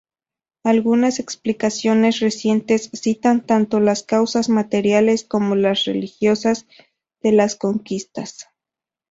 Algunas explicaciones recientes citan tanto las causas materiales como las religiosas de las conquistas.